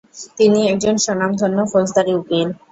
তিনি একজন স্বনামধন্য ফৌজদারি উকিল।